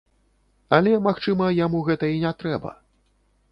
Але, магчыма, яму гэта і не трэба.